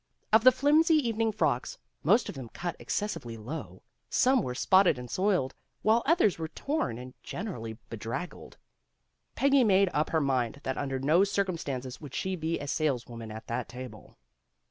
Of the flimsy evening frocks, most of them cut excessively low, some were spotted and soiled, while others were torn and generally bedraggled. Peggy made up her mind that under no circumstances would she be a saleswoman at that table.